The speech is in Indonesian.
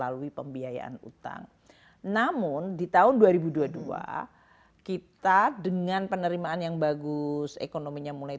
melalui pembiayaan utang namun di tahun dua ribu dua puluh dua kita dengan penerimaan yang bagus ekonominya mulai